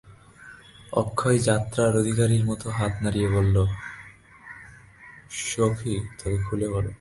অক্ষয় যাত্রার অধিকারীর মতো হাত নাড়িয়া বলিল, সখী, তবে খুলে বলো!